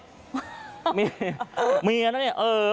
เจ๋งควรเยอะนะเนี่ย